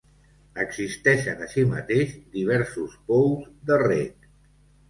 Existeixen així mateix, diversos pous de reg.